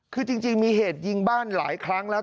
คือจริงมีเหตุยิงบ้านหลายครั้งแล้ว